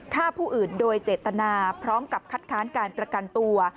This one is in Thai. ฆ่าผู้อื่นโดยเจตนาพร้อมกับคัดค้านการประกันตัว